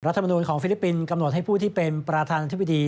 มนุนของฟิลิปปินส์กำหนดให้ผู้ที่เป็นประธานาธิบดี